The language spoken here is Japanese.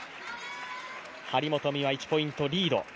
張本美和、１ポイントリード。